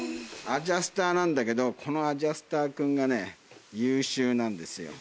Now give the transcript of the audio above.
アジャスターなんだけどこのアジャスター君がね優秀なんですよ。